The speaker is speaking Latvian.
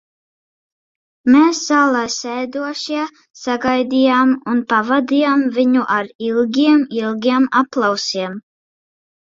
Mēs, zālē sēdošie, sagaidījām un pavadījām viņu ar ilgiem, ilgiem aplausiem.